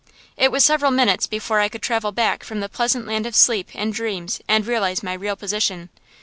It was several minutes before I could travel back from the pleasant land of sleep and dreams and realize my real position.